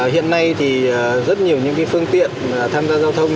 hiện nay thì rất nhiều những phương tiện tham gia giao thông